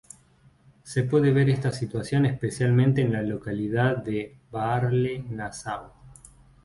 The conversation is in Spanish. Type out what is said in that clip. Se puede ver esta situación especialmente en la localidad de Baarle-Nassau.